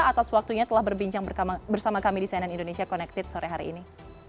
atas waktunya telah berbincang bersama kami di cnn indonesia connected sore hari ini